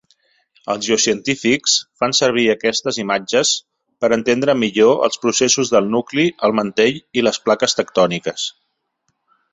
Els geocientífics fan servir aquestes imatges per entendre millor els processos del nucli, el mantell i les plaques tectòniques.